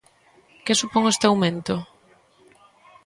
¿Que supón este aumento?